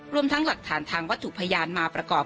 รวมทั้งหลักฐานทางวัตถุพยานมาประกอบ